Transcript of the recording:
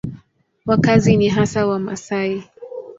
Wakazi ni hasa Wamasai.